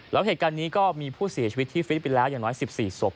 แล้วเหตุการณ์นี้ก็มีผู้เสียชีวิตที่ฟิลิปปินส์แล้วอย่างน้อย๑๔ศพ